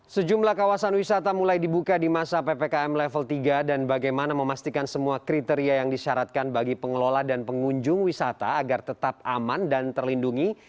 sejumlah kawasan wisata mulai dibuka di masa ppkm level tiga dan bagaimana memastikan semua kriteria yang disyaratkan bagi pengelola dan pengunjung wisata agar tetap aman dan terlindungi